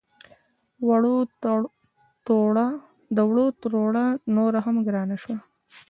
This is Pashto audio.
د وړو تروړه نوره هم ګرانه شوه